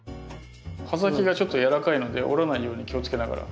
葉先がちょっと軟らかいので折らないように気をつけながら。